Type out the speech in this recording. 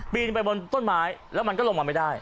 ไปบนต้นไม้แล้วมันก็ลงมาไม่ได้